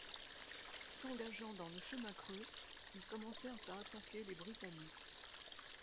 S'engageant dans le chemin creux, ils commencèrent à attaquer les Britanniques.